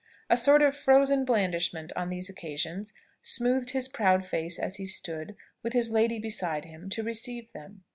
A sort of frozen blandishment on these occasions smoothed his proud face as he stood, with his lady beside him, to receive them.